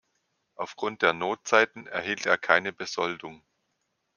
Auf Grund der Notzeiten erhielt er keine Besoldung.